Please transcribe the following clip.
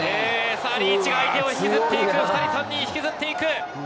さあ、リーチが引きずっていく、２人、３人、引きずっていく。